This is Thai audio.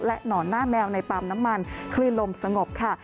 หนอนหน้าแมวในปั๊มน้ำมันคลื่นลมสงบค่ะ